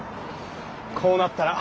こうなったら。